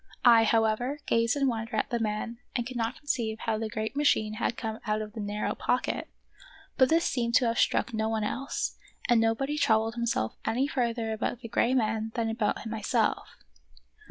I, however, gazed in wonder at the man and could not conceive how the great machine had come out of the narrow pocket ; but this seemed to have struck no one else, and nobody troubled himself any further about the gray man than about myself.